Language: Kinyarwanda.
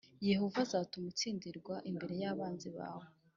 yehova azatuma utsindirwa imbere y’abanzi bawe